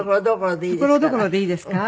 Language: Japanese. ところどころでいいですから。